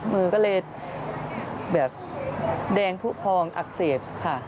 มือก็เลยแบบแดงผู้พองอักเสบค่ะ